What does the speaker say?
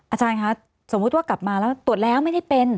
อาจารย์คะสมมุติว่ากลับมาแล้วตรวจแล้วไม่ได้เป็น